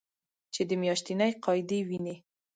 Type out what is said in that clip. چې د میاشتنۍ قاعدې وینې